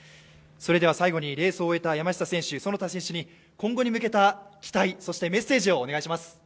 最後にレースを終えた山下選手、其田選手に今後に向けた期待メッセージをお願いします。